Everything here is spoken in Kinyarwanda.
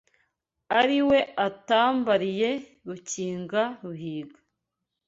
Ari we atwambariye Rukinga Ruhiga